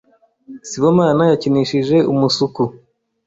Sibomana yakinishije umusuku.